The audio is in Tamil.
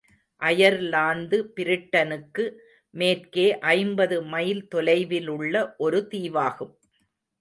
அயர்லாந்து பிரிட்டனுக்கு மேற்கே ஐம்பது மைல் தொலைவிலுள்ள ஒரு தீவாகும்.